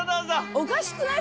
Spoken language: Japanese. おかしくない？